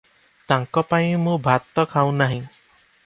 ତାଙ୍କପାଇଁ ମୁଁ ଭାତଖାଉନାହିଁ ।